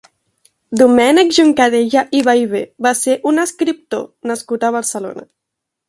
Domènec Juncadella i Ballbé va ser un escriptor nascut a Barcelona.